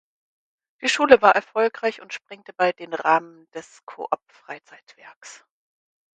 Die Schule war erfolgreich und sprengte bald den Rahmen des Coop-Freizeitwerks.